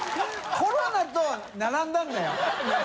コロナと並んだんだよ。